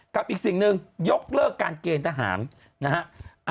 กับอีกสิ่งหนึ่งยกเลิกการเกณฑ์ทหารนะฮะ